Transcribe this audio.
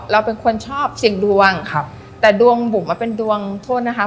เราเป็นคนชอบเสี่ยงดวงครับแต่ดวงบุ๋มมันเป็นดวงโทษนะคะ